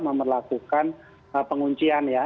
melakukan penguncian ya